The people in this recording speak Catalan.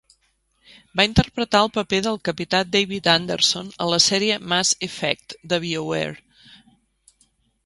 Va interpretar el paper del capità David Anderson a la sèrie "Mass Effect" de BioWare.